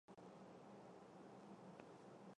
她必须清晨四点起来